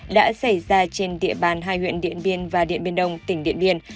đã xảy ra trên địa bàn hai huyện điện biên và điện biên đông tỉnh điện biên